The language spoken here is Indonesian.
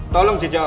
tolong jawab pak